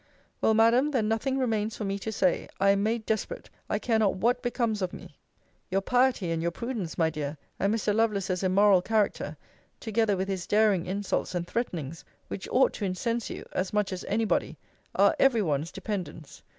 Well, Madam, then nothing remains for me to say. I am made desperate. I care not what becomes of me. Your piety, and your prudence, my dear, and Mr. Lovelace's immoral character, together with his daring insults, and threatenings, which ought to incense you, as much as any body, are every one's dependence.